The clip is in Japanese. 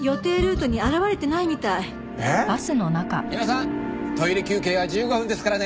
トイレ休憩は１５分ですからね。